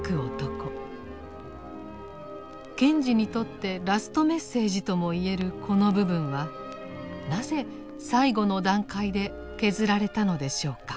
賢治にとってラストメッセージともいえるこの部分はなぜ最後の段階で削られたのでしょうか。